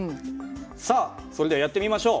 さあそれではやってみましょう。